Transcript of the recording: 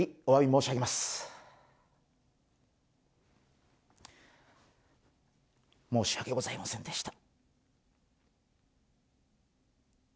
申し訳ございませんでした。